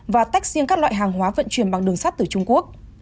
và tách riêng các loại hàng hóa vận chuyển bằng đường sắt từ trung quốc